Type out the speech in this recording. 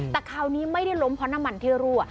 แต่คราวนี้ไม่ได้ล้มเพราะน้ำมันที่รั่ว